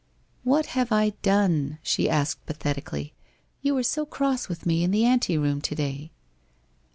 'What have I done?' she asked pathetically. 'You were so cross with me in the ante room to day.'